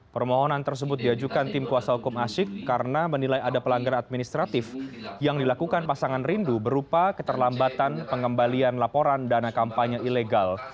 permohonan tersebut diajukan tim kuasa hukum asyik karena menilai ada pelanggaran administratif yang dilakukan pasangan rindu berupa keterlambatan pengembalian laporan dana kampanye ilegal